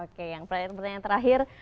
oke yang pertanyaan terakhir